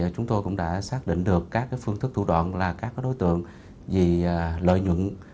chúng tôi cũng đã xác định được các phương thức thủ đoạn là các đối tượng vì lợi nhuận